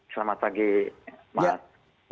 selamat pagi maaf